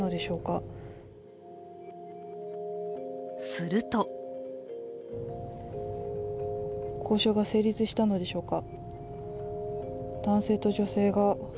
すると交渉が成立したのでしょうか。